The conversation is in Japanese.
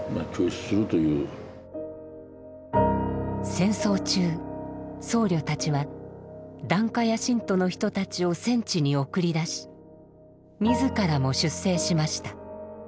戦争中僧侶たちは檀家や信徒の人たちを戦地に送り出し自らも出征しました。